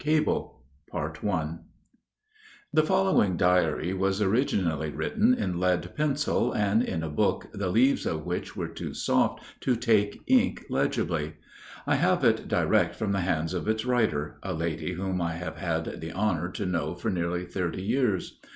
CABLE The following diary was originally written in lead pencil and in a book the leaves of which were too soft to take ink legibly. I have it direct from the hands of its writer, a lady whom I have had the honor to know for nearly thirty years.